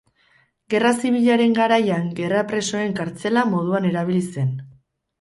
Gerra zibilaren garaian gerra presoen kartzela moduan erabili zen.